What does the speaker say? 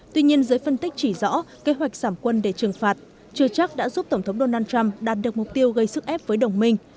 tuy nhiên giới phân tích chỉ rõ kế hoạch giảm quân để trừng phạt chưa chắc đã giúp tổng thống donald trump đạt được mục tiêu gây sức ép với đồng minh